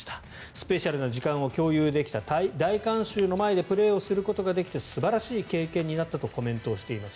スペシャルな時間を共有できた大観衆の前でプレーをすることができて素晴らしい経験になったとコメントしています。